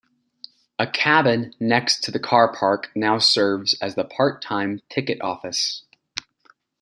A cabin next to the car park now serves as the part-time ticket office.